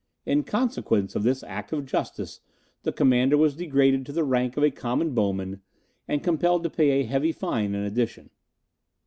In consequence of this act of justice, the Commander was degraded to the rank of common bowman, and compelled to pay a heavy fine in addition."